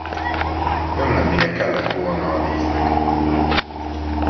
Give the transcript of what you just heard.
Ömlenie kellett volna a víznek.